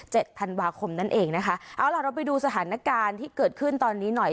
ธันวาคมนั่นเองนะคะเอาล่ะเราไปดูสถานการณ์ที่เกิดขึ้นตอนนี้หน่อย